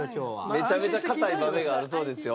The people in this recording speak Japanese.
めちゃめちゃ硬い豆があるそうですよ。